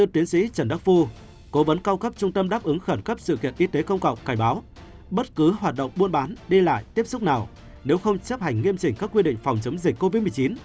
bất cứ hoạt động buôn bán đi lại tiếp xúc nào nếu không chấp hành nghiêm trình các quy định phòng chống dịch covid một mươi chín